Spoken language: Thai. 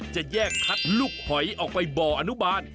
จะแยกคัดลูกหอยออกไปบ่ออนุบาล